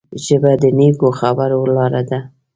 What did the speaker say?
ژبه د نیکو خبرو لاره ده